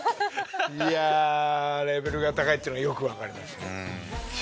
いやレベルが高いっていうのがよくわかりました。